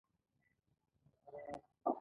زیتون په ننګرهار کې ښه پایله ورکړې ده